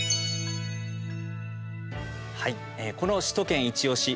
この「首都圏いちオシ！」